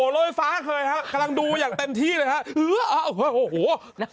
โรยฟ้าเคยครับกำลังดูอย่างเต็มที่เลยครับ